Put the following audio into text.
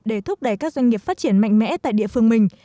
để thúc đẩy các doanh nghiệp phát triển mạnh mẽ tại địa phương mình